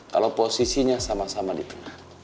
kalau posisinya sama sama di tengah